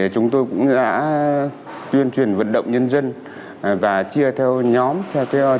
chúng tôi cũng đã tuyên truyền vận động nhân dân và chia theo nhóm chia theo ngõ